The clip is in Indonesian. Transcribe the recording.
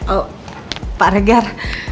oh pak regar